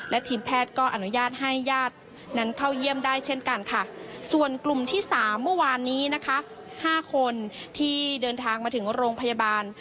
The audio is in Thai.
และทีมแพทย์ก็อนุญาตให้ญาตินั้นเข้าเยี่ยมได้เช่นกันค่ะส่วนกลุ่มที่สามเมื่อวานนี้นะคะ๕คนที่เดินทางมาถึงโรงพยาบาล